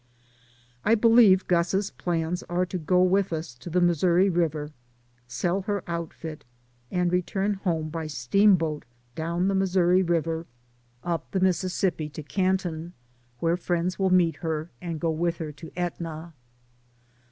I believe Gus's plans are to go on with us to the Missouri River, sell her outfit, and re turn home by steamboat down the Missouri River, up the Mississippi to Canton, where friends will meet her and go with her to Etna.